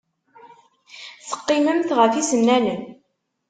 Teqqimemt ɣef yisennanen.